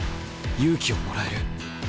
勇気をもらえる。